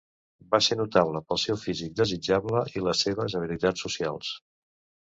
Va ser notable pel seu físic desitjable i les seves habilitats socials.